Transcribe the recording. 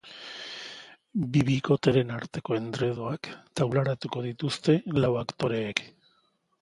Bi bikoteren arteko endredoak taularatuko dituzte lau aktoreek.